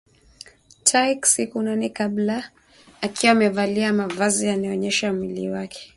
Tayc siku nane kabla akiwa amevalia mavazi yanayoonyesha mwili wake